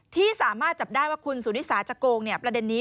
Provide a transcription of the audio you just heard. ที่สามารถจับได้ว่าคุณสุนิสาจะโกงประเด็นนี้